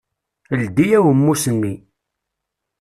Ldi awemmus-nni.